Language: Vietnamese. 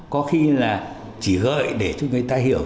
có khi là chỉ gợi để cho người ta hiểu